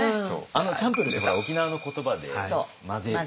チャンプルーって沖縄の言葉で混ぜる。